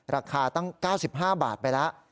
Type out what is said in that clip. ราคาตั้ง๙๕บาทไปแล้ว